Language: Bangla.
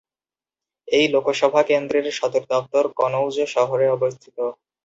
এই লোকসভা কেন্দ্রের সদর দফতর কনৌজ শহরে অবস্থিত।